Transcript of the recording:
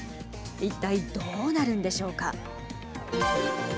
一体、どうなるんでしょうか。